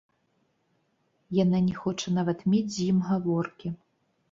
Яна не хоча нават мець з ім гаворкі.